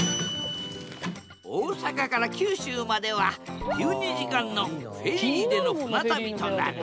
大阪から九州までは１２時間のフェリーでの船旅となる。